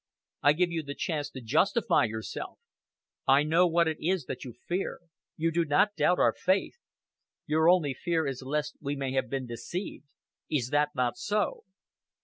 I give you the chance to justify yourself. I know what it is that you fear, you do not doubt our faith your only fear is lest we may have been deceived. Is that not so?"